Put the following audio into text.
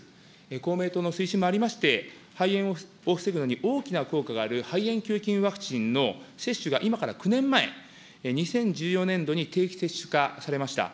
公明党の推進もありまして、肺炎を防ぐのに大きな効果がある肺炎球菌ワクチンの接種が今から９年前、２０１４年度に定期接種化されました。